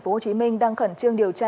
phú tp hcm đang khẩn trương điều tra